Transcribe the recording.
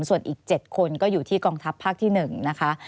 ส่วนอีก๗คนก็อยู่ที่กองทัพภาคที่๑นะคะ